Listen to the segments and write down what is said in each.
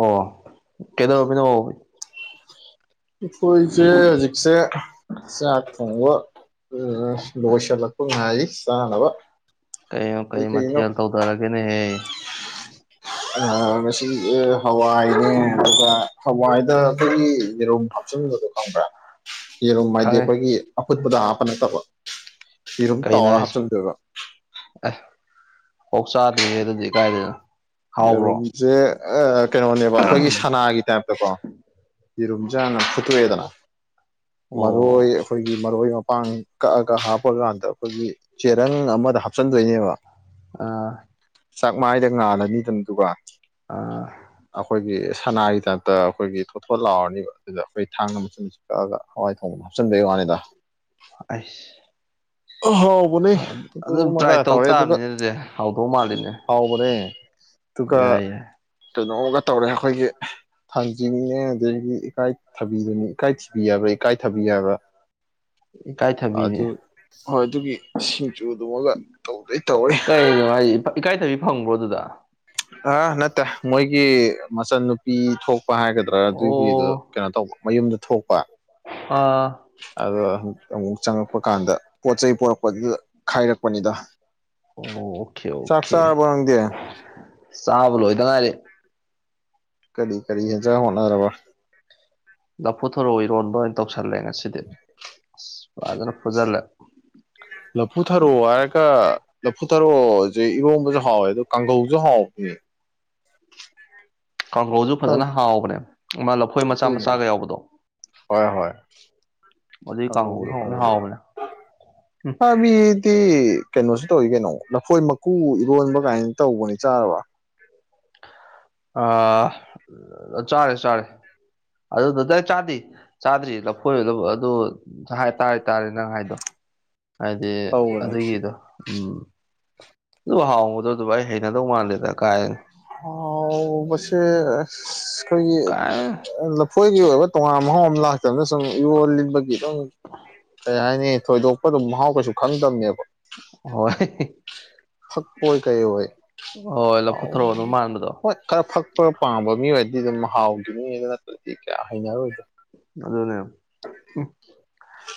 ꯑꯣ ꯀꯩꯗꯧ ꯑꯣꯏꯕꯤꯅ ꯑꯣ ꯑꯩꯈꯣꯏꯁꯦ ꯍꯧꯖꯤꯛꯁꯦ ꯆꯥꯛ ꯊꯣꯡꯕ ꯎꯝ ꯂꯣꯏꯁꯤꯜꯂꯛꯄ ꯉꯥꯏ ꯆꯥꯅꯕ ꯀꯩꯅ ꯀꯩ ꯃꯊꯦꯜꯦꯜ ꯇꯧ ꯇꯔꯒꯦꯅꯦ ꯍꯌꯦ ꯉꯁꯤ ꯍꯋꯥꯏꯅꯦ ꯑꯗꯨꯒ ꯍꯋꯥꯏꯗ ꯑꯩꯈꯣꯏꯒꯤ ꯌꯦꯔꯨꯝ ꯆꯨꯝꯕꯗꯣ ꯈꯪꯕ꯭ꯔꯥ ꯌꯦꯔꯨꯝ ꯍꯥꯏꯗꯤ ꯈꯪꯉꯦ ꯑꯩꯈꯣꯏꯒꯤ ꯑꯐꯨꯠꯄꯗ ꯍꯥꯞꯄ ꯅꯠꯇꯕ ꯁꯤꯔꯨꯝ ꯀꯩꯅꯣ ꯇꯥꯎꯔ ꯍꯥꯏꯁꯦ ꯍꯥꯞꯆꯤꯟꯗꯣꯏꯕ ꯑꯦ ꯑꯣꯛ ꯆꯥꯗ꯭ꯔꯤ ꯍꯦ ꯑꯗꯨꯗꯤ ꯀꯥꯏꯗꯅ ꯌꯦꯔꯨꯝꯁꯦ ꯀꯩꯅꯣꯅꯦꯕ ꯑꯩꯈꯣꯏꯒꯤ ꯁꯅꯥꯒꯤ ꯇꯥꯏꯞꯇꯀꯣ ꯌꯦꯔꯨꯝ ꯆꯥꯅ ꯐꯨꯠꯇꯣꯛꯑꯦꯗꯅ ꯑꯣ ꯃꯔꯣꯏ ꯑꯩꯈꯣꯏꯒꯤ ꯃꯔꯣꯏ ꯃꯄꯥꯡ ꯀꯛꯑꯒ ꯍꯥꯞꯄ ꯀꯥꯟꯗ ꯑꯩꯈꯣꯏꯒꯤ ꯆꯦꯔꯪ ꯑꯃꯗ ꯍꯥꯞꯆꯤꯟꯗꯣꯏꯅꯦꯕ ꯑꯥ ꯆꯥꯛ ꯃꯥꯏꯗ ꯉꯥꯜꯂꯅꯤꯗꯅꯗꯨꯒ ꯑꯥ ꯑꯩꯈꯣꯏꯒꯤ ꯁꯅꯥꯒꯤ ꯇꯥꯏꯞꯇ ꯑꯩꯈꯣꯏꯒꯤ ꯊꯣꯠꯊꯣꯠ ꯂꯥꯎꯔꯅꯤꯕ ꯑꯗꯨꯗ ꯑꯩꯈꯣꯏ ꯊꯥꯡꯅ ꯃꯆꯤꯟꯁꯤ ꯀꯛꯑꯒ ꯍꯋꯥꯏ ꯊꯣꯡꯕꯗ ꯍꯥꯞꯆꯤꯟꯕꯒꯤ ꯋꯥꯅꯤ ꯗ ꯑꯁ ꯍꯥꯎꯕꯅꯦ ꯑꯗꯨ ꯇ꯭ꯔꯥꯏ ꯑꯃꯒ ꯇꯧ ꯇꯧꯔꯦ ꯑꯗꯨꯒ ꯇꯥꯕꯅꯤꯅꯦ ꯑꯗꯨꯗꯤ ꯍꯥꯎꯗꯧ ꯃꯥꯜꯂꯤꯅꯦ ꯍꯥꯎꯕꯅꯦ ꯑꯗꯨꯒ ꯌꯥꯏ ꯌꯥꯏ ꯀꯩꯅꯣꯝꯃꯒ ꯇꯧꯔꯦ ꯑꯩꯈꯣꯏꯒꯤ ꯊꯥꯡꯖꯤꯡꯅꯦ ꯑꯗꯒꯤ ꯏꯀꯥꯏ ꯊꯥꯕꯤꯗꯨꯅꯤ ꯏꯀꯥꯏ ꯊꯤꯕꯤ ꯌꯥꯕ꯭ꯔꯥ ꯏꯀꯥꯏ ꯊꯥꯕꯤ ꯌꯥꯕ꯭ꯔꯥ [inaudible] ꯏꯀꯥꯏꯊꯕꯤꯅꯦ ꯑꯗꯨ ꯍꯣꯏ ꯑꯗꯨꯒꯤ ꯁꯤꯡꯖꯨ ꯑꯗꯨꯃꯒ ꯇꯧꯗꯣꯏ ꯇꯧꯔꯤ ꯀꯩꯅꯣ ꯍꯥꯏ ꯏꯀꯥꯏꯊꯕꯤ ꯐꯪꯕ꯭ꯔꯣ ꯑꯗꯨꯗ ꯑ ꯅꯠꯇꯦ ꯃꯣꯏꯒꯤ ꯃꯆꯟꯅꯨꯄꯤ ꯊꯣꯛ ꯄ ꯍꯥꯏꯒꯗ꯭ꯔꯥ ꯑꯣ ꯑꯗꯨꯒꯤꯗ ꯀꯩꯅꯣ ꯇꯧꯕ ꯃꯌꯨꯝꯗ ꯊꯣꯛꯄ ꯑꯥ ꯑꯗꯣ ꯑꯃꯨ ꯑꯃꯨꯛ ꯆꯪꯉꯛꯄ ꯀꯥꯟꯗ ꯄꯣꯠ ꯆꯩ ꯄꯣꯔꯛꯄꯗꯨꯗ ꯈꯥꯏꯔꯛꯄꯅꯤꯗ ꯑꯣ ꯑꯣꯀꯦ ꯆꯥꯛ ꯑꯣꯀꯦ ꯆꯥꯛꯕꯔꯣꯡ ꯗꯦ ꯆꯥꯕ ꯂꯣ ꯏꯗ ꯉꯥꯏꯔꯦ ꯀꯔꯤ ꯀꯔꯤ ꯍꯖ ꯍꯅ ꯔꯕ ꯂꯐꯨ ꯊꯔꯣ ꯏꯔꯣꯝꯕꯥ ꯑꯣꯏ ꯇꯧ ꯇꯧꯁꯜꯂꯦ ꯉꯁꯤꯗꯤ ꯑꯁ ꯐꯖꯅ ꯐꯨꯖꯜꯂꯦ ꯂꯐꯨ ꯊꯔꯛꯑꯣ ꯍꯥꯏꯔꯒ ꯂꯐꯨ ꯆꯠꯊꯔꯛꯑꯣꯁꯦ ꯏꯔꯣꯝꯕꯁꯨ ꯍꯥꯎꯋꯦ ꯑꯗꯣ ꯀꯥꯡꯒꯧꯁꯨ ꯍꯥꯎꯕꯅꯦ ꯀꯥꯡꯈ꯭ꯔꯨꯜꯁꯨ ꯐꯖꯅ ꯍꯥꯎꯕꯅꯦ ꯃꯥ ꯂꯐꯣꯏ ꯃꯆꯥ ꯃꯆꯥꯒ ꯌꯥꯎꯕꯗꯣ ꯍ ꯍ ꯑꯗꯨꯒꯤ ꯀꯥꯡꯍꯧꯗꯣ ꯐꯖꯅ ꯍꯥꯎꯕꯅꯦ ꯎꯝ ꯑꯃꯤ ꯀꯩꯅꯣꯁꯨ ꯇꯧꯔꯤ ꯀꯩꯅꯣ ꯂꯐꯣꯏ ꯃꯀꯨ ꯏꯔꯣꯟꯕ ꯀꯥꯏꯅ ꯇꯧꯕꯅꯤ ꯆꯥꯔꯕ ꯑ ꯆꯥꯔꯦ ꯆꯥꯔꯦ ꯑꯗꯨꯗꯨꯗ ꯆꯥꯗ ꯆꯥꯗ꯭ꯔꯤ ꯂꯐꯣꯏꯔꯗ ꯑꯗꯨ ꯇꯥꯔꯦ ꯇꯥꯔꯦ ꯅꯪ ꯍꯥꯏꯗꯣ [inaudible] ꯍꯥꯏꯗꯤ ꯇꯧꯕꯅꯦ ꯑꯗꯨꯒꯤꯗꯣ ꯎꯝ ꯑꯗꯨ ꯍꯥꯎꯕꯗꯣ ꯑꯗꯨꯕꯨ ꯑꯩ ꯍꯩꯅꯗꯧ ꯃꯥꯟꯗꯦꯗ ꯀꯥꯏ ꯑ ꯃꯁꯤꯁꯦ ꯑꯩꯈꯣꯏꯒꯤ ꯀꯥꯏ ꯂꯐꯣꯏꯒꯤ ꯑꯣꯏꯕ ꯇꯣꯉꯥꯟ ꯃꯍꯥꯎ ꯑꯃ ꯂꯥꯛ ꯃꯇꯝꯗ ꯁꯨꯝ ꯌꯣꯜꯂꯤꯕꯒꯤ ꯑꯗꯨꯝ ꯀꯩ ꯍꯥꯏꯅꯤ ꯊꯣꯏꯗꯣꯛꯄ ꯑꯗꯨꯝ ꯃꯍꯥꯎ ꯀꯩꯁꯨ ꯈꯪꯗꯕꯅꯦꯕ ꯍꯣꯏ ꯑꯣꯏꯣꯏ ꯀꯩ ꯍꯣꯏ ꯑꯣꯏ ꯂꯐꯨꯊꯔꯣ ꯑꯗꯨꯝ ꯃꯥꯟꯕꯗꯣ ꯍꯣꯏ ꯐ ꯄꯛꯄ ꯄꯥꯝꯕ ꯃꯤ ꯑꯣꯏꯔꯗꯤ ꯑꯗꯨꯝ ꯍꯥꯎꯈꯤꯅꯤ ꯑꯗꯨ ꯅꯠꯇ꯭ꯔꯗꯤ ꯀꯌꯥ ꯍꯩꯅꯔꯣꯏꯗꯣ ꯑꯗꯨꯅꯦ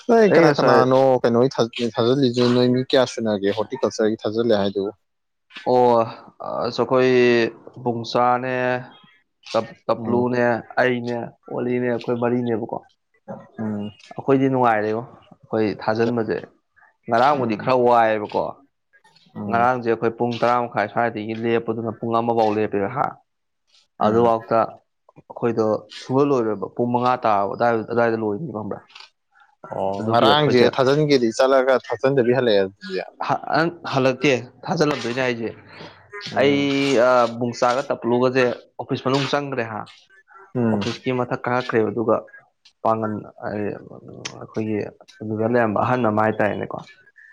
ꯅꯣꯏ ꯑꯩ ꯀꯅꯥ ꯉꯁꯥꯏ ꯀꯅꯥꯅꯣ ꯀꯩꯅꯣ ꯊ ꯊꯥꯖꯤꯜꯂꯤꯁꯨ ꯅꯣꯏ ꯃꯤ ꯀꯌꯥ ꯁꯤꯟꯅꯒꯦ ꯍꯣꯔꯇꯤꯀꯜꯆꯔꯒꯤ ꯊꯥꯖꯤꯜꯂꯦ ꯍꯥꯏꯗꯨꯕꯨ ꯑꯣ ꯑꯁꯨꯈꯣꯏ ꯄꯨꯡꯆꯥꯥꯅꯦ ꯎꯝ ꯇꯞꯂꯨꯅꯦ ꯑꯩꯅꯦ ꯑꯣꯂꯤꯅꯦ ꯑꯩꯈꯣꯏ ꯃꯔꯤꯅꯦꯕꯀꯣ ꯎꯝ ꯑꯩꯈꯣꯏꯗꯤ ꯅꯨꯡꯉꯥꯏꯔꯦꯕꯣ ꯑꯩꯈꯣꯏ ꯊꯥꯖꯤꯟꯕꯁꯦ ꯉꯔꯥꯡꯕꯨꯗꯤ ꯎꯝ ꯈꯔ ꯋꯥꯏꯑꯕꯀꯣ ꯎꯝ ꯉꯔꯥꯡꯁꯦ ꯑꯩꯈꯣꯏ ꯄꯨꯡ ꯇꯔꯥ ꯃꯈꯥꯏ ꯁ꯭ꯋꯥꯏꯗꯒꯤ ꯂꯦꯞꯄꯗꯨꯅ ꯄꯨꯡ ꯑꯃꯐꯥꯎ ꯂꯦꯞꯄꯤꯔ ꯍꯥ ꯎꯝ ꯑꯗꯨꯐꯥꯎꯇ ꯑꯩꯈꯣꯏꯗꯣ ꯁꯨꯡꯍꯜꯂꯣꯏꯔꯣꯏꯕ ꯄꯨꯡ ꯃꯉꯥ ꯇꯥꯔ ꯑꯗꯨꯗꯥꯏꯗ ꯑꯗꯨꯏ ꯂꯣꯏꯕ꯭ꯔ ꯑꯣ ꯉꯔꯥꯡꯁꯦ ꯊꯥꯖꯤꯟꯒꯦꯗꯤ ꯆꯠꯂꯒ ꯊꯥꯖꯤꯟꯗꯕꯤ ꯍꯜꯂꯛꯑꯦ ꯅꯪ ꯍꯜꯂꯛꯇꯦ ꯊꯥꯖꯤꯜꯂꯝꯗꯣꯏꯅꯦ ꯍꯥꯏꯁꯦ ꯑꯩ ꯎꯝ ꯕꯨꯡꯆꯥꯒ ꯇꯞꯂꯨꯒꯁꯦ ꯑꯣꯐꯤꯁ ꯃꯅꯨꯡ ꯆꯪꯗ꯭ꯔꯦ ꯍꯥ ꯎꯝ ꯑꯣꯐꯤꯁꯀꯤ ꯃꯊꯛ ꯀꯥꯉꯛꯈ꯭ꯔꯦꯕ ꯑꯗꯨꯒ ꯄꯥꯡꯒꯟ ꯍꯥꯏꯗꯤ ꯑꯩꯈꯣꯏꯒꯤ ꯑꯗꯨꯗ ꯂꯩꯔꯝꯕ ꯑꯍꯟ ꯑꯃ ꯍꯥꯏ ꯇꯅꯦꯀꯣ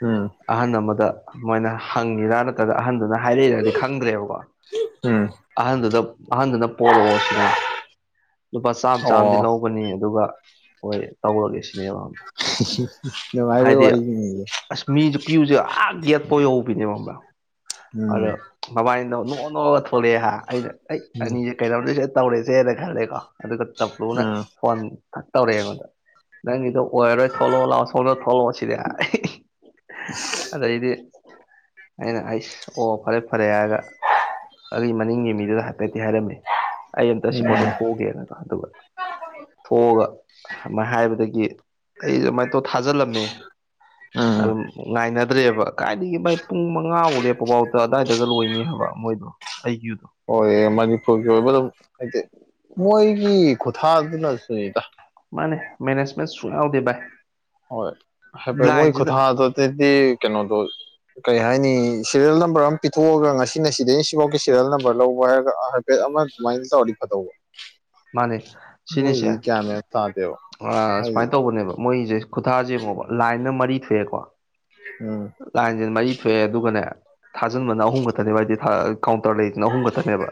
ꯎꯝ ꯑꯍꯟ ꯑꯃꯗ ꯃꯣꯏꯅ ꯍꯪꯉꯤꯔꯥ ꯅꯠꯇ꯭ꯔꯒ ꯑꯍꯟꯗꯨꯅ ꯍꯥꯏꯔꯛꯏꯔꯗꯤ ꯈꯪꯗ꯭ꯔꯦꯕꯀꯣ ꯎꯝ ꯑꯍꯟꯗꯨꯗ ꯑꯍꯟꯗꯨꯅ ꯄꯣꯔꯛꯑꯣ ꯁꯤꯅꯦ ꯂꯨꯄꯥ ꯆꯥꯝꯃ ꯑꯣ ꯆꯥꯝꯗꯤ ꯂꯧꯕꯅꯤ ꯑꯗꯨꯒ ꯍꯣꯏ ꯇꯧꯔꯒꯦꯁꯤ ꯅꯦ ꯅꯨꯡꯉꯥꯏꯕꯩ ꯍꯥꯏꯗꯤ ꯋꯥꯔꯤꯅꯤꯅꯦ ꯑꯁ ꯃꯤꯁꯨ ꯀ꯭ꯌꯨꯁꯦ ꯑ ꯌꯦꯠꯄ ꯌꯧꯕꯤꯅꯦ ꯃꯕꯥ ꯎꯝ ꯑꯗ ꯃꯕꯥꯏꯅ ꯅꯣꯛ ꯅꯣꯛꯉꯒ ꯊꯣꯛꯂꯛꯑꯦ ꯍꯥ ꯑꯩꯅ ꯑꯩ ꯎꯝ ꯑꯅꯤꯁꯦ ꯀꯩꯅꯣꯧꯗꯣꯏꯁꯦ ꯇꯧꯔꯦꯁꯦꯅ ꯈꯜꯂꯦꯀꯣ ꯑꯗꯨꯒ ꯇꯞ꯭ꯂꯨꯅ ꯎꯝ ꯐꯣꯟ ꯊ ꯇꯧꯔꯛꯑꯦ ꯑꯩꯉꯣꯟꯗ ꯅꯪꯒꯤꯗꯣ ꯑꯣꯏꯔꯔꯣꯏ ꯊꯣꯛꯂꯛꯑꯣ ꯂꯥꯛꯑꯣ ꯁꯣꯛꯗꯣꯏ ꯊꯣꯛꯂꯛꯑꯣ ꯁꯤꯗꯤ ꯑꯗꯩꯗꯤ ꯑꯩꯅ ꯑꯩꯁ ꯑꯣ ꯐꯔꯦ ꯐꯔꯦ ꯍꯥꯏꯔꯒ ꯑꯩ ꯃꯅꯤꯡꯒꯤ ꯃꯤꯗꯨꯗ ꯍꯥꯏꯐꯦꯠꯇꯤ ꯍꯥꯏꯔꯝꯃꯦ ꯑꯩ ꯑꯝꯇ ꯁꯤ ꯄꯣꯠꯇꯣ ꯊꯣꯛꯑꯒꯦꯅꯀ ꯑꯗꯨꯒ ꯊꯣꯛꯑꯒ ꯑꯗꯨꯥꯏꯅ ꯍꯥꯏꯕꯗꯒꯤ ꯑꯩ ꯑꯗꯨꯃꯥꯏ ꯇꯧ ꯊꯥꯖꯤꯜꯂꯝꯃꯦ ꯎꯝ ꯎꯝ ꯑꯗꯨ ꯉꯥꯏꯅꯗ꯭ꯔꯦꯕ ꯀꯥꯏꯗꯒꯤ ꯃꯥꯏ ꯄꯨꯡ ꯃꯉꯥꯐꯥꯎ ꯂꯦꯞꯄꯐꯥꯎꯗ ꯑꯗꯨꯋꯥꯏꯗꯒ ꯂꯣꯏꯅꯤ ꯍꯥꯏꯕ ꯃꯣꯏꯗꯣ [inaudible] ꯍꯣꯏ ꯃꯅꯤꯄꯨꯔꯒꯤ ꯑꯣꯏꯕ ꯑꯗꯨ ꯍꯥꯏꯗꯤ ꯃꯣꯏꯒꯤ ꯈꯨꯊꯥꯗꯨꯅꯁꯨꯅꯤꯗ ꯃꯥ ꯃꯦꯅꯦꯖꯃꯦꯦꯟ ꯁꯨꯥꯎꯗꯦꯚꯥꯏ ꯍꯣꯏ ꯍꯥꯏꯐꯦꯠ ꯃꯣꯏ ꯈꯨꯊꯥꯡ ꯑꯗꯨꯗꯤ ꯀꯩꯅꯣꯗꯣ ꯀꯩ ꯍꯥꯏꯅꯤ ꯁꯤꯦꯔꯤꯌꯦꯜ ꯅꯝꯕꯔ ꯑꯃ ꯄꯤꯊꯣꯛꯑꯒ ꯉꯁꯤꯅ ꯁꯤꯗꯩꯅ ꯁꯤꯐꯥꯎꯒꯤ ꯁꯦꯔꯤꯌꯦꯜ ꯅꯝꯕꯔ ꯂꯧꯕ ꯍꯥꯏꯔꯒ ꯍꯥꯏꯐꯦꯠ ꯃꯥꯏꯟꯗꯤ ꯀꯠꯇꯕꯣ ꯃꯥꯅꯦ ꯁꯤꯅꯤꯁꯦ ꯒ꯭ꯌꯥꯟ ꯃꯦꯟ ꯇꯥꯗꯦꯕ ꯍꯥꯏꯗꯤ ꯁꯨꯃꯥꯏꯅ ꯇꯧꯕꯅꯦꯕ ꯃꯣꯏꯁꯦ ꯈꯨꯊꯥꯁ ꯌꯦꯡꯉꯣꯕ ꯂꯥꯏꯟꯅ ꯃꯔꯤ ꯊꯣꯛꯑꯦꯀꯣ ꯎꯝ ꯂꯥꯏꯟꯁꯤꯅ ꯃꯔꯤ ꯊꯣꯛꯑꯦ ꯑꯗꯨꯒꯅꯦ ꯊꯥꯖꯤꯟꯕꯅ ꯑꯍꯨꯝ ꯈꯛꯇꯅꯦꯕ ꯍꯥꯏꯗꯤ ꯀꯥꯎꯟꯇꯔ ꯂꯩꯗꯅ ꯑꯍꯨꯝ ꯈꯛꯇꯅꯦꯕ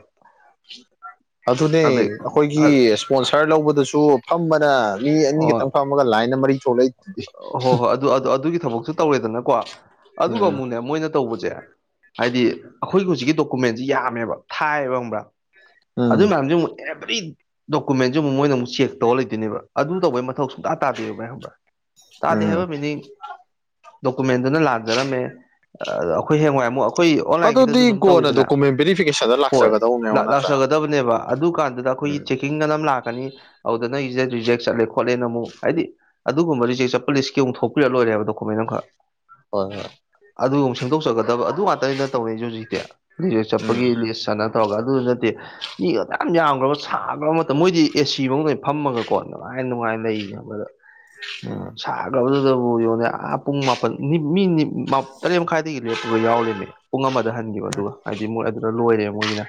ꯑꯗꯨꯗꯩ ꯒꯤ ꯏꯁ꯭ꯄꯣꯟꯁꯔ ꯂꯧꯕꯗꯁꯨ ꯐꯝꯕꯅ ꯃꯤ ꯑꯣ ꯑꯅꯤꯈꯛꯇꯪ ꯐꯝꯃꯒ ꯂꯥꯏꯟ ꯑꯃ ꯃꯔꯤ ꯊꯣꯛꯂꯛꯏ ꯍꯣꯏ ꯍꯣꯏ ꯑꯗꯨ ꯑꯗꯨꯒꯤ ꯊꯕꯛꯁꯨ ꯇꯧꯔꯦꯗꯅꯀꯣ ꯑꯗꯨꯒ ꯎꯝ ꯑꯃꯨꯛꯅꯦ ꯃꯣꯏꯅ ꯇꯧꯕꯁꯦ ꯍꯥꯏꯗꯤ ꯑꯩꯈꯣꯏꯒꯤ ꯍꯧꯖꯤꯛꯀꯤ ꯗꯣꯀꯨꯃꯦꯟꯁꯤ ꯌꯥꯝꯃꯦꯕ ꯊꯥꯏꯌꯦꯕ ꯈꯪꯕ꯭ꯔꯥ ꯑꯗꯨ ꯎꯝ ꯃꯌꯥꯝꯁ ꯑꯃꯨꯛ ꯑꯦꯕ꯭ꯔꯤ ꯗꯣꯀꯨꯃꯦꯟꯁꯤ ꯑꯃꯨꯛ ꯃꯣꯏꯅ ꯑꯃꯨꯛ ꯆꯦꯛ ꯇꯧꯔ ꯂꯩꯗꯣꯏꯅꯦꯕ ꯑꯗꯨ ꯇꯧꯕꯩ ꯃꯊꯧ ꯁꯨꯡꯇꯥ ꯇꯥꯗꯦꯕ ꯚꯥꯏ ꯍꯕ꯭ꯔꯥ ꯇꯥꯗꯦ ꯎꯝ ꯍꯥꯏꯕ ꯃꯤꯅꯤꯡ ꯗꯣꯀꯨꯃꯦꯟꯗꯨꯅ ꯂꯥꯟꯖꯔꯝꯃꯦ ꯑꯩꯈꯣꯏ ꯍꯦꯡꯋꯥꯏ ꯑꯃꯨꯛ ꯑꯩꯈꯣꯏ ꯑꯣꯟꯂꯥꯏꯟꯒꯤꯗꯁꯨ ꯑꯗꯨꯗꯤ ꯑꯗꯨꯝ ꯀꯣꯟꯅ ꯇꯧꯋꯤꯗꯅ ꯗꯣꯀꯨꯃꯦꯟ ꯚꯦꯔꯤꯐꯤꯀꯦꯁꯟꯗ ꯍꯣꯏ ꯂꯥꯛꯆꯒꯗꯧꯅꯦꯕ ꯅꯠꯇ꯭ꯔꯥ ꯂꯥꯛꯆꯒꯗꯕꯅꯦꯕ ꯑꯗꯨ ꯀꯥꯟꯗꯨꯗ ꯑꯩꯈꯣꯏꯒꯤ ꯎꯝ ꯆꯦꯛꯀꯤꯡ ꯑꯅꯝ ꯂꯥꯛꯀꯅꯤ ꯑꯗꯨꯗ ꯅꯪꯁꯦ ꯔꯤꯖꯦꯛ ꯆꯠꯂꯦ ꯈꯣꯠꯂꯦꯅ ꯑꯃꯨꯛ ꯍꯥꯏꯗꯤ ꯑꯗꯨꯒꯨꯝꯕ ꯔꯤꯖꯦꯛ ꯆꯠꯄ ꯄꯨꯂꯤꯁꯀꯤ ꯑꯃꯨꯛ ꯊꯣꯛꯄꯤꯔꯛ ꯂꯣꯏꯔꯦꯕ ꯗꯣꯀꯨꯃꯦꯟ ꯑꯃꯈꯛ ꯍꯣꯏ ꯍꯣꯏ ꯑꯗꯨꯒꯨꯝꯕ ꯁꯦꯝꯗꯣꯛꯆꯒꯗꯕ ꯑꯗꯨ ꯉꯥꯛꯇꯅꯤꯅ ꯇꯧꯅꯩꯁꯨꯦ ꯍꯧꯖꯤꯛꯇꯤ ꯖꯤꯦꯛ ꯆꯠꯄꯒꯤ ꯎꯝ ꯂꯤꯁ ꯆ ꯇꯧꯔꯒ ꯑꯗꯨꯗꯨ ꯅꯠꯇꯦ ꯃꯤ ꯈꯛꯇ ꯌꯥꯝ ꯌꯥꯝꯈ꯭ꯔꯕ ꯁꯥꯈ꯭ꯔꯕ ꯃꯇꯝ ꯃꯣꯏꯗꯤ ꯑꯦ ꯁꯤ ꯐꯗ ꯐꯝꯃꯒꯀꯣꯅꯃꯥꯏ ꯑ ꯅꯨꯡꯉꯥꯏ ꯂꯩꯕꯗ ꯑꯥ ꯑꯗꯨꯗꯕꯨ ꯌꯣꯅꯦ ꯄꯨꯡ ꯃꯥꯄꯜ ꯃꯤ ꯇꯔꯦꯠ ꯃꯈꯥꯏꯗꯒꯤ ꯂꯦꯞꯄꯒ ꯌꯥꯎꯔꯃꯤ ꯄꯨꯡ ꯑꯃꯗ ꯍꯟꯈꯤꯕ ꯑꯗꯨꯒ ꯍꯥꯏꯗꯤ ꯃꯣꯏ ꯑꯗꯨꯗ ꯂꯣꯏꯔꯦ ꯃꯣꯏꯒꯤꯅ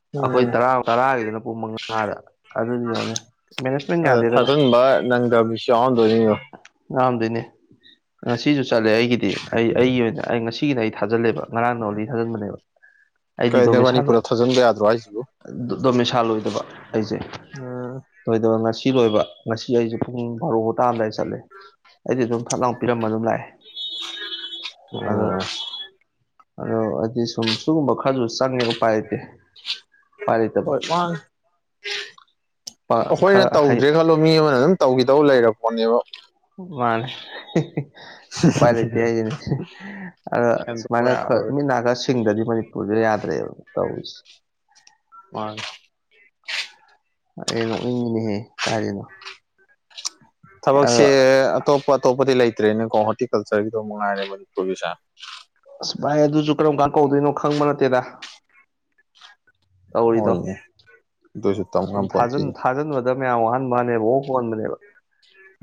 ꯎꯝ ꯑꯩꯈꯣꯏ ꯇꯔꯥ ꯇꯔꯥꯒꯤꯗꯅ ꯄꯨꯡ ꯃꯉꯥꯗ ꯑꯗꯨꯅ ꯌꯣꯟꯅꯤ ꯑ ꯊꯥꯖꯟꯕ ꯅꯪꯗꯕꯤꯁꯨ ꯌꯥꯎꯟꯗꯣꯏꯅꯤꯣ ꯉꯥꯝꯗꯣꯏꯅꯦ ꯉꯁꯤꯁꯨ ꯆꯠꯂꯦ ꯑꯩꯒꯤꯗꯤ ꯑꯩ ꯑꯩꯒꯤ ꯑꯣꯏꯅ ꯑꯩ ꯉꯁꯤꯒꯤꯅꯦ ꯑꯩ ꯊꯥꯖꯤꯜꯂꯦꯕ ꯉꯔꯥꯡ ꯅꯂꯤ ꯊꯥꯖꯤꯟꯕꯅꯦꯕ ꯀꯩꯅꯣ ꯑꯩꯗꯤꯗꯣꯃꯦ ꯏꯕꯥꯅꯤ ꯁꯂꯣ ꯄꯨꯂꯞ ꯊꯥꯖꯤꯟꯕ ꯌꯥꯗ꯭ꯔꯣ ꯍꯥꯏꯁꯤꯕꯨ ꯗꯣꯃꯦ ꯏꯁꯥ ꯂꯣꯏꯗꯕ ꯑꯩꯁꯦ ꯎꯝ ꯂꯣꯏꯗꯕ ꯉꯁꯤ ꯁꯤ ꯂꯣꯏꯕ ꯉꯁꯤ ꯑꯩꯁꯨ ꯄꯨꯡ ꯕꯥꯔꯣ ꯇꯥꯔꯝꯗꯥꯏꯗ ꯑꯩ ꯆꯠꯂꯦ ꯑꯩꯗꯤ ꯁꯨꯝ ꯐꯠ ꯂꯥꯎ ꯄꯤꯔꯃ ꯑꯗꯨꯝ ꯂꯥꯛꯑꯦ ꯑꯗꯣ ꯑꯣ ꯑꯗꯣ ꯍꯥꯏꯗꯤ ꯁꯨꯝ ꯁꯤꯒꯨꯝꯕ ꯈꯔꯁꯨ ꯆꯪꯉꯦ ꯎꯄꯥꯏꯗꯤ ꯍꯣꯏ ꯄ ꯑꯩꯈꯣꯏꯅ ꯈꯔ ꯍꯩ ꯇꯧꯗ꯭ꯔꯦ ꯈꯜꯂꯣ ꯃꯤ ꯑꯃꯅ ꯑꯗꯨꯝ ꯇꯧꯈꯤꯗꯧ ꯂꯩꯔꯕꯄꯣꯠꯅꯦꯕ ꯃꯥꯅꯦ ꯎꯄꯥꯥꯏ ꯂꯩ ꯏꯇ ꯍꯥꯏꯒꯤꯅꯤ ꯑꯗ ꯁꯦꯝꯗꯣꯛꯄ ꯁꯨꯃꯥꯏꯅ ꯈ ꯌꯥꯔꯣꯏ ꯃꯤꯠ ꯅꯥ ꯈꯥ ꯁꯤꯡꯗꯗꯤ ꯃꯅꯤꯄꯨꯔꯁꯦ ꯌꯥꯗꯦ ꯑꯔꯦ ꯇꯧꯁ ꯃꯥ ꯑꯦ ꯅꯣꯛꯅꯤꯡꯉꯅꯦꯍꯦ ꯀꯥꯗꯅꯣ ꯊꯕꯛꯁꯦ ꯑꯇꯣꯞꯄ ꯑꯇꯣꯞꯄꯗꯤ ꯂꯩꯇ ꯂꯩꯇ꯭ꯔꯦꯅꯦꯀꯣ ꯍꯣꯔꯇꯤꯀꯜꯆꯔꯒꯤꯗꯣ ꯃꯉꯥꯏꯔꯦ ꯃꯅꯤꯄꯨꯔꯕꯤꯁꯥ ꯑꯁ ꯚꯥꯏ ꯑꯗꯨꯁꯨ ꯀꯔꯝ ꯀꯥꯟ ꯀꯧꯗꯣꯏꯅꯣ ꯈꯪꯕ ꯅꯠꯇꯦꯗ ꯇꯧꯔꯤꯗꯣ ꯍꯣꯏꯅꯦ ꯑꯗꯨꯁꯨ ꯇꯝ ꯁꯨꯝ ꯊꯥ ꯉꯝꯄꯣꯟꯇꯦꯅꯦ ꯊꯥꯖꯤꯟꯕꯗ ꯗ ꯃꯌꯥꯝ ꯋꯥꯍꯟꯕꯅꯦꯕ ꯑꯣꯛ ꯍꯍꯟꯕꯅꯦꯕ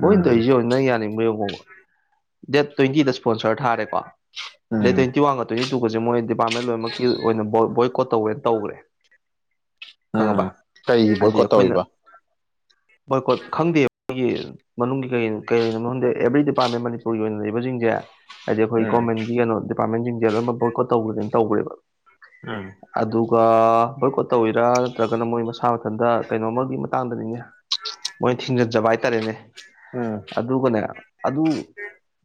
ꯃꯣꯏꯅ ꯎꯝ ꯇꯧꯔꯤꯁꯦꯅ ꯌꯥꯅꯤꯡꯕ ꯌꯦꯡꯉꯣꯡꯕ ꯗꯦꯠ ꯇ꯭ꯋꯦꯟꯇꯤꯗ ꯏꯁꯄꯣꯟꯁꯔ ꯊꯥꯔꯦꯀꯣ ꯗꯦꯠ ꯎꯝ ꯇ꯭ꯋꯦꯟꯇꯤ ꯋꯥꯟꯒ ꯇ꯭ꯋꯦꯟꯇꯤ ꯑꯗꯨꯒꯁꯦ ꯃꯣꯏ ꯗꯤꯄꯥꯔꯠꯃꯦꯟ ꯂꯣꯏꯅꯃꯛꯀꯤ ꯑꯣꯏꯅ ꯕꯣꯏ ꯀꯣꯠ ꯇꯧꯋꯦ ꯇꯧꯈ꯭ꯔꯦ ꯎꯝ ꯈꯪꯉꯕ ꯀꯩꯔꯤꯕꯣꯏ ꯈꯣꯠꯇꯧꯔꯤꯕ ꯚꯣꯏꯀꯣꯠ ꯈꯪꯗꯦ ꯑꯩꯣꯏꯒꯤ ꯃꯅꯨꯡꯒꯤ ꯀꯩ ꯀꯩ ꯑꯦꯕ꯭ꯔꯤ ꯗꯤꯄꯥꯔꯠꯃꯦꯟ ꯃꯅꯤꯄꯨꯔꯒꯤ ꯑꯣꯏꯅ ꯂꯩꯔꯤꯕꯕꯁꯤꯡꯁꯦ ꯍꯥꯏꯗꯤ ꯑꯩꯈꯣꯏ ꯎꯝ ꯒꯃꯦꯟꯒꯤ ꯀꯩꯅꯣ ꯗꯤꯄꯥꯔꯠꯃꯦꯟꯁꯤꯡꯁꯦ ꯂꯣꯏ ꯕꯣꯏꯀꯣꯠ ꯇꯧꯕ꯭ꯔꯅꯤꯅ ꯇꯧꯈꯦꯕ ꯎꯝ ꯕꯣꯏꯀꯣꯠ ꯇꯧꯋꯤꯔꯥ ꯅꯠꯇ꯭ꯔꯒꯅ ꯃꯣꯏ ꯃꯁꯥ ꯃꯊꯟꯗ ꯀꯩꯅꯣꯃ ꯃꯇꯥꯡꯗꯅꯤꯅꯦ ꯃꯣꯏ ꯊꯤꯟꯖꯠꯖꯕ ꯑꯥꯏꯇꯥꯔꯦꯅꯦ ꯎꯝ ꯑꯗꯨꯒꯅꯦ ꯑꯗꯨ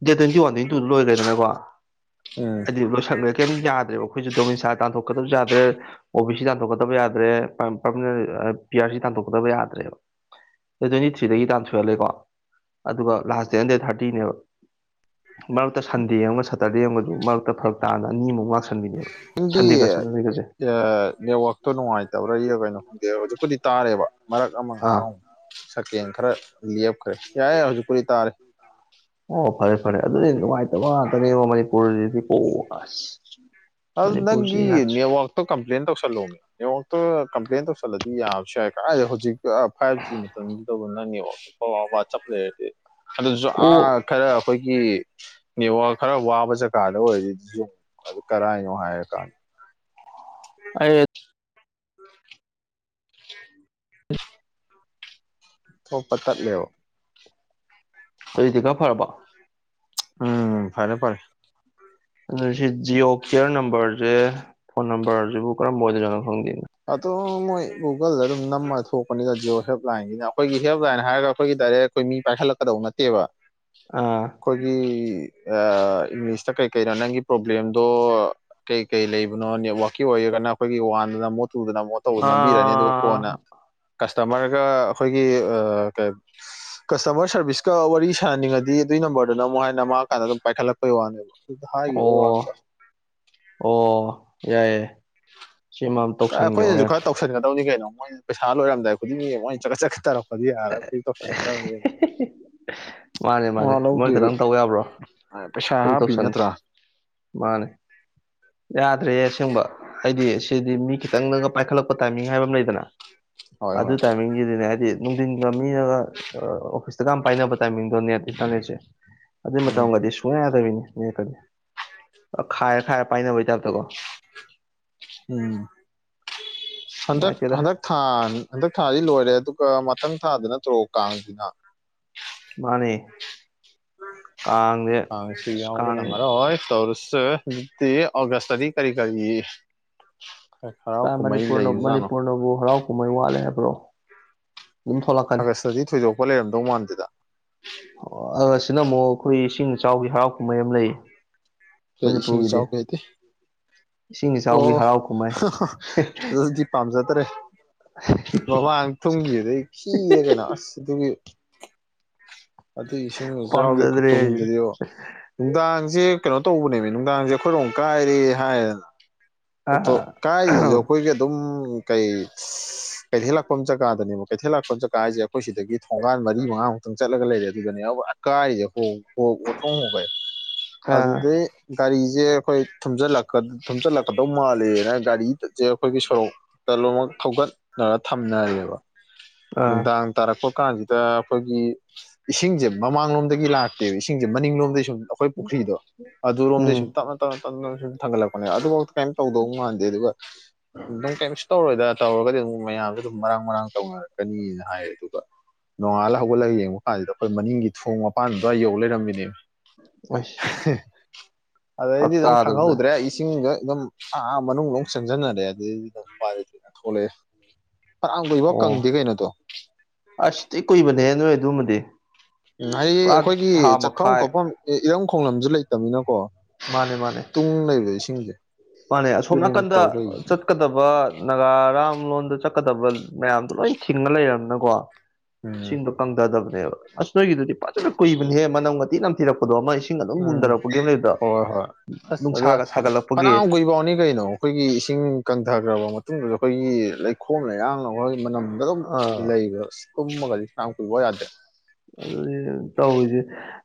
ꯗꯦꯠ ꯇ꯭ꯋꯦꯟꯇꯤ ꯋꯥꯟ ꯇ꯭ꯋꯦꯟꯇ ꯇꯨꯗ ꯂꯣꯏꯈ꯭ꯔꯦꯗꯅꯀꯣ ꯎꯝ ꯍꯥꯏꯗꯤ ꯂꯣꯏꯁꯛꯅ ꯀꯩꯝꯇ ꯌꯥꯗ꯭ꯔꯦꯕ ꯑꯩꯈꯣꯏꯁꯨ ꯗꯣꯃꯤꯟꯁꯥ ꯇꯥꯟꯊꯣꯛꯀꯗꯕꯁꯨ ꯌꯥꯗ꯭ꯔꯦ ꯑꯣ ꯕꯤ ꯁꯤꯥꯟ ꯥꯟꯊꯣꯛꯀꯕ ꯌꯥꯗ꯭ꯔꯦ ꯄꯤꯌꯥꯔ ꯁꯤ ꯇꯥꯟꯊꯣꯛꯀꯗꯕ ꯌꯥꯗ꯭ꯔꯦꯕ ꯇ꯭ꯋꯦꯟꯇꯤ ꯊ꯭ꯔꯤꯗꯒꯤ ꯇꯥꯟ ꯁꯨꯍꯜꯂꯦꯀꯣ ꯑꯗꯨꯒ ꯂꯥꯁ ꯗꯦ ꯍꯟꯗ꯭ꯔꯦꯠ ꯊꯥꯔꯇꯤꯅꯦꯕ ꯃꯔꯛꯇ ꯁꯟꯗꯦ ꯑꯃꯒ ꯁꯦꯇꯔꯗꯦ ꯑꯃꯒꯗꯨ ꯃꯔꯛꯇ ꯐꯔꯛ ꯇꯥꯗ ꯑꯅꯤꯃꯨꯛ ꯂꯥꯛ ꯅꯪꯒꯤ ꯑꯦ ꯅꯦꯠꯋꯥꯛ ꯅꯨꯡꯉꯥꯏꯇꯕ꯭ꯔ ꯏꯔ ꯀꯩꯅꯣ ꯈꯣꯡꯗꯦ ꯍꯧꯖꯤꯛꯄꯨꯗꯤ ꯇꯥꯔꯦꯕ ꯃꯔꯛ ꯑꯃ ꯉꯥꯏꯍꯥꯛ ꯑꯥ ꯑꯃꯨꯛ ꯍꯦꯡ ꯈꯔ ꯂꯦꯞꯈ꯭ꯔꯦ ꯌꯥꯏꯦ ꯍꯧꯖꯤꯛꯄꯨꯗꯤ ꯇꯥꯔꯦ ꯑꯣ ꯐꯔꯦ ꯐꯔꯦ ꯑꯗꯨꯗꯤ ꯅꯨꯡꯉꯥꯏꯇꯕ ꯉꯥꯛꯇꯅꯦꯕ ꯃꯅꯤꯄꯨꯔꯗꯤ ꯄꯣ ꯑꯁ ꯑꯗꯨ ꯅꯪꯒꯤ ꯃꯅꯤꯄꯨꯔꯁꯤ ꯌꯥꯗ꯭ꯔꯦ ꯅꯦꯠꯋꯥꯛꯇ ꯀꯝꯄ꯭ꯂꯦꯟ ꯇꯧꯁꯜꯂꯣꯅꯦ ꯅꯦꯋꯥꯛ ꯑꯣ ꯀꯝꯄ꯭ꯂꯦꯟ ꯇꯧꯁꯜꯂꯗꯤ ꯌꯥꯕꯁꯨ ꯌꯥꯏ ꯀ ꯍꯧꯖꯤꯛ ꯐꯥꯏꯚ ꯖꯤ ꯃꯇꯝꯗꯨ ꯇꯧꯕꯅꯤ ꯕ ꯆꯞ ꯂꯩꯔꯗꯤ ꯑꯗꯨꯁꯨ ꯀꯣ ꯑꯥ ꯈꯔ ꯑꯩꯈꯣꯏꯒꯤ ꯅꯦꯠꯋꯥꯛ ꯈꯔ ꯋꯥꯕ ꯖꯒꯥꯗ ꯑꯣꯏꯔꯔꯤꯗꯤ ꯌꯨꯝ ꯑꯗꯨ ꯀꯔꯥꯏꯅꯣ ꯍꯥꯏꯔꯀꯥꯟꯗ ꯑꯩ [unintelligible] ꯊꯣꯛꯄ ꯇꯠꯂꯣ ꯍꯧꯖꯤꯛꯗꯤ ꯈꯔ ꯐꯔꯕꯣ ꯎꯝ ꯐꯔꯦ ꯐꯔꯦ ꯑꯗꯨꯅ ꯁꯤ ꯖꯤꯑꯣ ꯀꯦꯌꯔ ꯅꯝꯕꯔꯁꯦ ꯐꯣꯟ ꯅꯝꯕꯔꯁꯤꯕꯨ ꯀꯔꯝꯕ ꯑꯣꯏꯗꯣꯏꯅꯣ ꯈꯪꯗꯦꯅꯣ ꯑꯣ ꯃꯣꯏ ꯒꯨꯒꯜꯗ ꯑꯗꯨꯝ ꯅꯝꯃꯒ ꯊꯣꯛꯄꯅꯤꯗ ꯖꯤꯑꯣ ꯍꯦꯜꯞ ꯂꯥꯏꯟꯒꯤꯅ ꯑꯩꯈꯣꯏꯒꯤ ꯍꯦꯜꯞ ꯂꯥꯏꯟ ꯍꯥꯏꯔꯒ ꯑꯩꯈꯣꯏꯒꯤ ꯗꯥꯏꯔꯦꯛ ꯑꯩꯈꯣꯏ ꯃꯤ ꯄꯥꯏꯈꯠꯂꯛꯀꯗꯧ ꯅꯠꯇꯦꯕ ꯑꯥ ꯑꯩꯈꯣꯏꯒꯤ ꯏꯪꯂꯤꯁꯇ ꯀꯩ ꯀꯩꯅꯣ ꯅꯪꯒꯤ ꯄ꯭ꯔꯣꯕ꯭ꯂꯦꯝꯗꯣ ꯀꯩ ꯀꯩ ꯂꯩꯕꯅꯣ ꯅꯦꯠꯋꯥꯛꯀꯤ ꯑꯣꯏ ꯑꯩꯈꯣꯏꯒꯤ ꯋꯥꯟꯗ ꯅꯝꯃꯣ ꯇꯨꯗ ꯅꯝꯃꯣ ꯇꯧꯕꯗꯨ ꯅꯝꯕꯤꯔꯅꯤ ꯑꯗꯨꯒ ꯀꯣꯟꯅ ꯑꯥ ꯀꯁꯇꯃꯔꯒ ꯑꯩꯈꯣꯏꯒꯤ ꯀꯩ ꯀꯁꯇꯃꯔ ꯁꯔꯕꯤꯁꯀ ꯋꯥꯔꯤ ꯁꯥꯅꯅꯤꯡꯉꯗꯤ ꯑꯗꯨ ꯁꯤ ꯅꯝꯕꯔꯗ ꯅꯝꯃꯣ ꯍꯥꯏꯅ ꯅꯝꯃꯛꯑꯀꯥꯟꯗ ꯑꯗꯨꯝ ꯄꯥꯏꯈꯠꯂꯛꯄꯒꯤ ꯋꯥꯅꯦꯕ ꯑꯗꯨꯗ ꯍꯥꯏꯈꯤꯕꯒꯤ ꯋꯥꯅꯤꯗ ꯑꯣ ꯑꯣ ꯌꯥꯏ ꯌꯥꯏ ꯑꯩꯈꯣꯏꯅꯁꯨ ꯈꯔ ꯇꯧꯁꯟꯒ ꯇꯧꯅꯤ ꯀꯩꯅꯣ ꯃꯣꯏ ꯄꯩꯁꯥ ꯂꯣꯏꯔꯝꯗꯥꯏ ꯈꯨꯗꯤꯡꯒꯤ ꯃꯣꯏꯅ ꯆꯠꯒꯠ ꯆꯠꯒꯠ ꯇꯧꯔꯛ ꯌꯥꯔꯒ ꯈꯣꯏꯁꯨ ꯇꯧꯁꯟ ꯃꯥꯅꯦ ꯃꯥꯅꯦ ꯃꯣꯏ ꯈꯤꯇꯪ ꯇꯧ ꯌꯥꯕ꯭ꯔꯣ ꯄꯩꯁꯥ ꯑꯩꯈꯣꯏ ꯍꯥꯞꯄꯤ ꯇꯧꯁꯟꯁ ꯅꯠꯇ꯭ꯔꯥ ꯃꯥꯅꯦ ꯌꯥꯗ꯭ꯔꯦ ꯑꯁꯦꯡꯕ ꯍꯥꯏꯗꯤ ꯁꯤꯗꯤ ꯃꯤ ꯈꯤꯇꯪꯅꯒ ꯄꯥꯏꯈꯠꯂꯛꯄ ꯇꯥꯏꯃꯤꯡ ꯍꯥꯏꯕ ꯑꯃ ꯂꯩꯗꯅ ꯍꯣꯏ ꯑꯗꯨ ꯍꯣꯏ ꯇꯥꯏꯃꯤꯡꯁꯤꯗꯤꯅꯦ ꯍꯥꯏꯗꯤ ꯅꯨꯡꯊꯤꯟꯒ ꯃꯤꯅꯒ ꯑꯣꯐꯤꯁꯇꯒ ꯄꯥꯏꯅꯕ ꯇꯥꯏꯃꯤꯡ ꯅ‌ꯦꯠ ꯏꯟꯇꯔꯅꯦꯠꯁꯦ ꯑꯗꯨꯏ ꯎꯝ ꯃꯇꯝꯒꯗꯤ ꯁꯨꯡꯌꯥ ꯌꯥꯗꯕꯤꯅꯤ ꯀꯗꯤ ꯈꯥꯏꯔ ꯈꯥꯏꯔ ꯄꯥꯏꯅ ꯎꯝ ꯍꯟꯗꯛ ꯅꯨꯡꯉꯥꯏꯇꯦꯗ ꯍꯟꯗꯛ ꯊꯥ ꯍꯟꯗꯛ ꯊꯥꯁꯤ ꯂꯣꯏꯔꯦ ꯑꯗꯨꯒ ꯃꯊꯪ ꯊꯥꯗ ꯅꯠꯇ꯭ꯔꯣ ꯀꯥꯡꯁꯤꯅ ꯃꯥꯅ‌ꯦ ꯀꯥꯡꯁꯤ ꯑꯁ ꯌꯥꯎꯕꯨ ꯀꯥꯡ ꯅꯪꯉꯔ‌ꯣꯏ ꯇ‌ꯧꯔꯤ ꯑꯣꯒꯁꯗꯗꯤ ꯀꯔꯤ ꯀꯔꯤ ꯍꯔꯥꯎ ꯀꯨꯝꯍꯩ ꯃꯅꯤꯄꯨꯔꯅ ꯂꯩꯕꯖꯥꯠꯅꯣ ꯃꯅꯤꯄꯨꯔꯅꯕꯨ ꯍꯔꯥꯎ ꯀꯨꯝꯍꯩ ꯋꯥꯠꯂꯦ ꯍꯥꯏꯕ꯭ꯔꯣ ꯑꯗꯨꯝ ꯊꯣꯛꯂꯛꯀꯅꯤ ꯑꯥꯒꯁꯇꯗꯤ ꯊꯣꯏꯗꯣꯛꯄ ꯂꯩꯔꯝꯗꯧ ꯃꯥꯟꯗ‌ꯦꯗ ꯑꯁꯤꯅ ꯑꯃꯨꯛ ꯑꯩꯈꯣꯏ ꯏꯁꯤꯡ ꯏꯆꯥꯎꯒꯤ ꯍꯔꯥꯎ ꯀꯨꯝꯍꯩ ꯑꯃ ꯂꯩ ꯀꯩ ꯏꯁꯤꯡ ꯏꯆꯥꯎꯒꯤ ꯍꯥꯏꯗꯤ ꯏꯁꯤꯡ ꯏꯆꯥꯎꯒꯤ ꯑꯣ ꯍꯔꯥꯎ ꯀꯨꯝꯍꯩ ꯑꯗꯨꯗꯤ ꯄꯥꯝꯖꯗꯔꯦ ꯃꯃꯥꯡ ꯊꯨꯝꯈꯤꯕꯗꯨꯗꯩ ꯈꯤꯔꯦ ꯀꯩꯅꯣ ꯑꯁ ꯑꯗꯨꯒꯤ ꯑꯗꯨꯏ ꯏꯁꯤꯡ ꯏꯆꯥꯎꯒꯤ ꯄꯥꯝꯖꯗ꯭ꯔꯦ ꯑꯩꯁꯨ ꯈꯨꯇꯨꯝꯗꯨꯗꯤ ꯅꯨꯡꯗꯥꯡꯁꯦ ꯀꯩꯅꯣ ꯇꯧꯕꯅꯦꯕ ꯅꯨꯡꯗꯥꯡꯁꯦ ꯑꯩꯈꯣꯏꯔꯣꯝ ꯀꯥꯏꯔꯦ ꯍꯥꯏꯌꯦꯗꯅ ꯑꯣ ꯑꯥ ꯀꯥꯏꯁꯤꯁꯨ ꯑꯩꯈꯣꯏꯒꯤ ꯑꯗꯨꯝ ꯀꯩ ꯀꯩꯊꯦꯜ ꯂꯥꯛꯄ ꯖꯒꯥꯗꯅꯦꯕ ꯀꯩꯊꯦꯜ ꯂꯥꯛꯄ ꯖꯒꯥ ꯍꯥꯏꯁꯦ ꯑꯩꯈꯣꯏ ꯁꯤꯗꯒꯤ ꯊꯣꯡꯒꯥꯟ ꯃꯔꯤ ꯃꯉꯥꯃꯨꯛ ꯆꯠꯂꯒ ꯂꯩꯔꯦ ꯑꯗꯨꯗꯅꯦ [unintelligible] ꯀꯥꯏꯔꯤꯁꯦ ꯑꯣꯊꯣꯡ ꯍ‌ꯣꯏ ꯑꯥ ꯑꯗꯨꯗꯩ ꯒꯥꯔꯤꯁꯦ ꯑꯩꯈꯣꯏ ꯊꯨꯝ ꯊꯨꯝꯖꯤꯜꯂꯛꯀꯗꯧ ꯃꯥꯜꯂꯦꯅ ꯒꯥꯔꯤꯁꯦ ꯑꯩꯈꯣꯏꯒꯤ ꯁꯣꯔꯣꯛꯇ ꯃꯛ ꯊꯧꯒꯠꯅꯔ ꯊꯝꯅꯔꯦꯕ ꯑꯥ ꯅꯨꯡꯗꯥꯡ ꯇꯥꯔꯛꯄ ꯀꯥꯟꯁꯤꯗ ꯑꯩꯈꯣꯏꯒꯤ ꯏꯁꯤꯡꯁꯦ ꯃꯃꯥꯡꯂꯣꯝꯗꯒꯤ ꯂꯥꯛꯇꯦꯕ ꯏꯁꯤꯡꯁꯦ ꯃꯅꯤꯡꯂꯣꯝꯗꯒꯤ ꯁꯨꯝ ꯑꯩꯈꯣꯏ ꯄꯨꯈ꯭ꯔꯤꯗꯣ ꯑꯗꯨꯔꯣꯝꯗꯩ ꯎꯝ ꯁꯨꯝ ꯇꯞꯅ ꯇꯞꯅ ꯇꯞꯅꯞꯅ ꯁꯨꯝ ꯊꯥꯡꯒꯠꯂꯛꯄꯅꯦ ꯑꯗꯨꯐꯥꯎ ꯀꯩꯝ ꯇꯧꯗꯧ ꯃꯥꯟꯗꯦ ꯑꯗꯨꯒ ꯑꯗꯨꯝ ꯀꯩꯝꯁꯨ ꯇꯧꯔꯣꯏꯗ ꯇꯧꯔꯒꯗꯤ ꯑꯗꯨꯝ ꯃꯌꯥꯝꯗ ꯑꯗꯨꯝ ꯃꯔꯥꯡ ꯃꯔꯥꯡ ꯇꯧꯅꯔꯛꯀꯅꯤꯅ ꯍꯥꯏ ꯑꯗꯨꯒ ꯅꯣꯡꯉꯥꯜꯂ ꯍꯧꯒꯠꯂꯒ ꯌꯦꯡꯉ ꯃꯄꯥꯟꯁꯤꯗ ꯑꯩꯈꯣꯏ ꯃꯅꯤꯡꯒꯤ ꯊꯣꯡ ꯃꯄꯥꯟ ꯗꯨꯋꯥꯏ ꯌꯧ ꯂꯩꯔꯝꯃꯤꯅꯦ ꯑꯁ ꯐꯛ ꯑꯗꯩꯗꯤ ꯑꯗꯨꯝ ꯇꯥꯗꯕꯗ ꯈꯪꯍꯧꯗ꯭ꯔꯦ ꯏꯁꯤꯡꯗ ꯑꯗꯨꯝ ꯑꯥ ꯃꯅꯨꯡ ꯑꯃꯨꯛ ꯆꯪꯁꯤꯟꯅꯔꯦ ꯑꯗꯨꯗꯩꯗꯤ ꯎꯄꯥꯏ ꯂꯩꯇꯅ ꯊꯣꯛꯂꯛꯑꯦ ꯑꯥꯡꯕꯩꯕꯣ ꯑꯣ ꯀꯪꯗꯦ ꯀꯩꯅꯣꯗꯣ ꯅꯦꯍꯦ ꯅꯣꯏ ꯑꯗꯨꯃꯗꯤ ꯎꯝ ꯍꯥꯏꯗꯤ ꯄꯨꯔꯥ ꯑꯩꯈꯣꯏꯒꯤ ꯊꯥ ꯆꯠꯐꯝ ꯃꯈꯥꯏ ꯈꯣꯠꯐꯝ ꯏꯔꯝ ꯈꯣꯡꯂꯁꯨ ꯂꯩꯇꯕꯅꯤꯅꯀꯣ ꯃꯥꯅꯦ ꯃꯥꯅꯦ ꯇꯨꯡ ꯂꯩꯔ ꯏꯁꯤꯡꯁꯦ ꯃꯥꯅꯦ ꯑꯁꯣꯝ ꯑꯗꯨꯅꯦꯃꯤ ꯅꯥꯀꯟꯗ ꯇꯧ ꯂꯩꯔꯤꯁꯦ ꯆꯠꯀꯗꯕ ꯅꯥꯒꯥ ꯑꯔꯥꯝ ꯂꯣꯟꯗ ꯆꯠꯀꯗꯕ ꯃꯌꯥꯝꯗꯣ ꯂꯣꯏ ꯊꯤꯡꯅ ꯂꯩꯔꯕꯔꯕꯅꯀꯣ ꯎꯝ ꯏꯁꯤꯡꯗꯣ ꯀꯪꯊꯗꯕꯅꯤ ꯕ ꯑꯁ ꯅꯣꯏꯒꯤꯗꯨꯗꯤ ꯐꯖꯅ ꯀꯨꯏꯕꯅꯦꯍꯦ ꯃꯅꯝ ꯃꯇꯤ ꯅꯝꯊꯤꯔꯛꯄꯗꯣ ꯑꯃ ꯏꯁꯤꯡ ꯑꯗꯨꯝ ꯎꯝ ꯃꯨꯝꯊꯔꯛꯄꯒꯤ ꯑꯃ ꯂꯩꯗ ꯍꯣꯏ ꯍꯣꯏ ꯑꯗꯣ ꯅꯨꯡꯁꯥꯒ ꯁꯥꯒꯠꯂꯛꯄꯒꯤ ꯐꯅꯌꯥꯝ ꯀꯨꯏꯐꯥꯎꯅꯤ ꯀꯩꯅꯣ ꯑꯩꯈꯣꯏꯒꯤ ꯏꯁꯤꯡ ꯀꯪꯊꯈ꯭ꯔꯕ ꯃꯇꯨꯡꯗꯨꯗ ꯑꯩꯈꯣꯏꯒꯤ ꯂꯩꯈꯣꯝ ꯂꯩꯌꯥꯡ ꯃꯣꯏꯒꯤ ꯃꯅꯝꯗ ꯑꯗꯨꯝ ꯂꯩꯕ ꯇꯨꯝꯃꯒꯗꯤ ꯐꯅꯌꯥꯝ ꯀꯨꯏꯕ ꯌꯥꯗꯦ ꯑꯗꯨꯗꯤ ꯇꯧꯔꯤꯁꯦ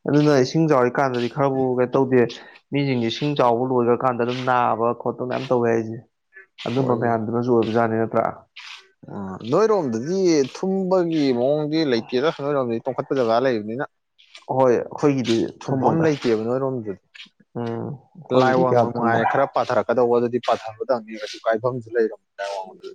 ꯑꯗꯨꯅ ꯏꯁꯤꯡ ꯆꯥꯎꯔ ꯀꯥꯟꯗꯗꯤ ꯈꯔꯕꯨ ꯀꯩꯅꯣ ꯇꯧꯗꯦ ꯃꯤꯁꯤꯡꯁꯦ ꯏꯁꯤꯡ ꯆꯥꯎꯕ ꯂꯣꯏꯈ꯭ꯔꯀꯥꯟꯗ ꯑꯗꯨꯝ ꯅꯥꯕ ꯈꯣꯠꯄ ꯃꯌꯥꯝ ꯇꯧꯋꯦ ꯍꯥꯏꯁꯦ ꯑꯗꯨꯝꯕ ꯃꯌꯥꯝꯗꯨꯅꯁꯨ ꯑꯣꯏꯕꯖꯥꯠꯅꯤ ꯅꯠꯇ꯭ꯔꯥ ꯎ ꯅꯣꯏꯔꯣꯝꯗꯗꯤ ꯊꯨꯝꯕꯒꯤ ꯃꯑꯣꯡꯗꯤ ꯂꯩꯇꯦꯗ ꯅꯣꯏꯔꯣꯝꯗꯗꯤ ꯇꯣꯡꯈꯠ ꯖꯒꯥ ꯂꯩꯕꯅꯤꯅ ꯍꯣꯏ ꯑꯩꯈꯣꯏꯒꯤꯗꯤ ꯊꯨꯡꯐꯝ ꯊꯨꯝꯃꯣꯏ ꯚꯥꯏ ꯂꯩꯇꯦꯕ ꯅꯣꯏꯔꯣꯝꯗꯨꯗꯤ ꯎꯝ ꯑꯩꯈꯣꯏꯒꯤꯗꯤ ꯀꯌꯥ ꯂꯥꯏꯋꯡꯕ ꯊꯨꯝꯃꯣꯏ ꯃꯉꯥꯏ ꯈꯔ ꯄꯥꯊꯔꯛꯀꯗꯧꯕ ꯑꯗꯨ ꯑꯗꯨ ꯄꯥꯊꯥꯕꯗꯝꯅꯤ ꯀꯩꯁꯨ ꯀꯥꯏꯐꯝꯁꯨ ꯂꯩꯔꯝꯗꯤ